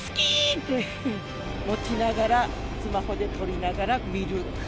持ちながら、スマホで撮りながら、見る。